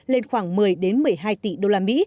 lên khoảng một mươi một mươi hai tỷ usd